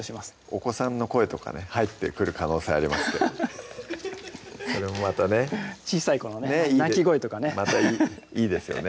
お子さんの声とかね入ってくる可能性ありますけどそれもまたね小さい子のね泣き声とかねまたいいですよね